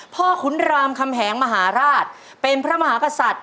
ขุนรามคำแหงมหาราชเป็นพระมหากษัตริย์